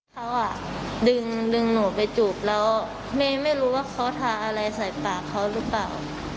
เขาดึงหนูไปจูบแล้วไม่รู้ว่าเขาทาอะไรใส่ปากเขาหรือเปล่า